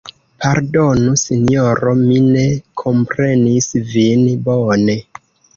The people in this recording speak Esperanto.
Pardonu, Sinjoro, mi ne komprenis vin bone.